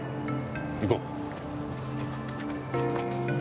行こう。